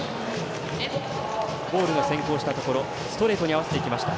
ボールが先行したところストレートに合わせていきました